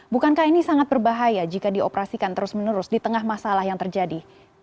bukankah ini sangat berbahaya jika dioperasikan terus menerus di tengah masalah yang terjadi